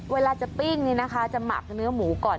เวลาจะปิ้งนี่นะคะจะหมักเนื้อหมูก่อน